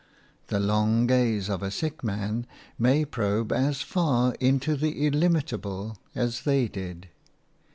The long gaze of a sick man may probe as far into the illimitable as they did.